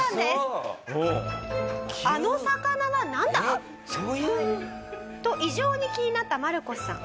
あの魚はなんだ？と異常に気になったマルコスさん。